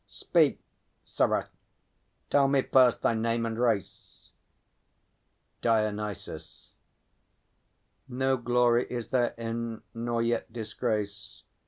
Speak, sirrah; tell me first thy name and race. DIONYSUS. No glory is therein, nor yet disgrace.